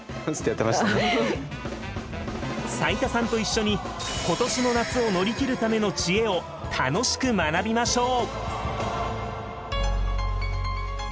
斉田さんと一緒に今年の夏を乗り切るための知恵を楽しく学びましょう！